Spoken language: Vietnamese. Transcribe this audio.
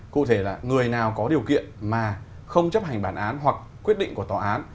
cụ thể là người nào có điều kiện mà không chấp hành bản án hoặc quyết định của tòa án